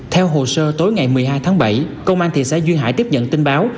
theo hồ sơ tối ngày một mươi hai tháng bảy công an thị xã duyên hải tiếp nhận tin báo